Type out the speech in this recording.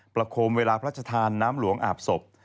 ประโคมเวลาพระชธานน้ำหลวงอาบศพ